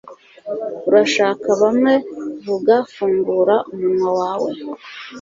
Urashaka bamwe vuga Fungura umunwa wawe